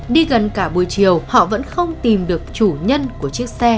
đi gần cả buổi chiều họ vẫn không tìm được chủ nhân của chiếc xe